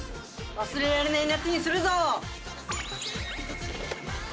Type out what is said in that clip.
忘れられない夏にするぞ！